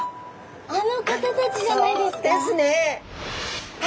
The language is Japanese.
あの方たちじゃないですか？